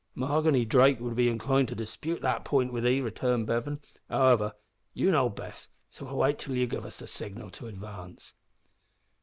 "Mahoghany Drake would be inclined to dispute that p'int with 'ee," returned Bevan. "However, you know best, so we'll wait till you give us the signal to advance."